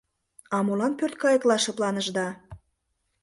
А молан пӧрткайыкла шыпланышда?